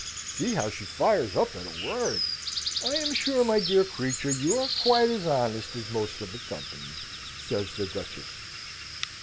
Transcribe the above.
"See how she fires up at a word! I am sure, my dear creature, you are quite as honest as most of the company," says the Duchess.